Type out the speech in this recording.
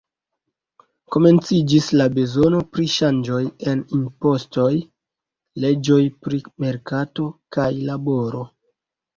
Komenciĝis la bezono pri ŝanĝoj en impostoj, leĝoj pri merkato kaj laboro.